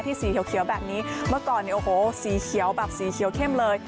ที่สีเขียวแบบนี้เมื่อก่อนสีเขียวแบบสีเขียวเข้มเลย